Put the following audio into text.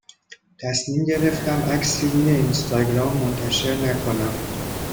تصمیم گرفتم عکسی روی اینستاگرام منتشر نکنم